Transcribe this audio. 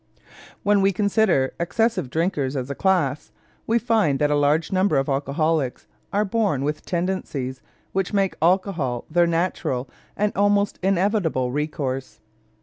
When we consider excessive drinkers as a class, we find that a large number of alcoholics are born with tendencies which make alcohol their natural and almost inevitable recourse.